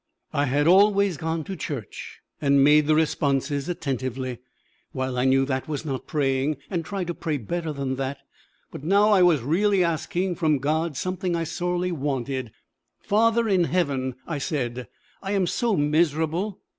I had always gone to church, and made the responses attentively, while I knew that was not praying, and tried to pray better than that; but now I was really asking from God something I sorely wanted. "Father in heaven," I said, "I am so miserable!